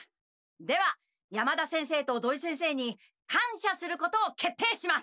では山田先生と土井先生に感しゃすることを決定します。